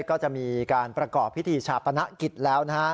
ก็จะมีการประกอบพิธีชาปนกิจแล้วนะฮะ